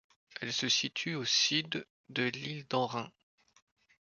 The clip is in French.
Elle se situe au sud de l'île d'Amrum.